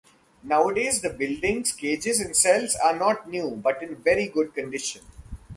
Nowadays the buildings, cages and cells are not new, but in very good condition.